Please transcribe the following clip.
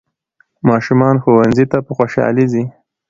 ماشومان ښوونځي ته په خوشحالۍ ځي